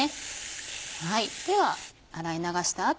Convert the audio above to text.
では洗い流した後。